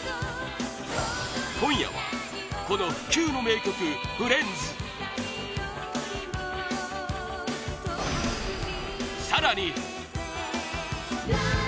今夜は、この不朽の名曲「フレンズ」更に